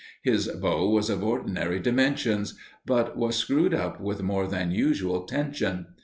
His bow was of ordinary dimensions; but was screwed up with more than usual tension.